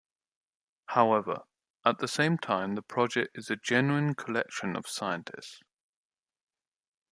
However, at the same time the project is a genuine collection of scientists.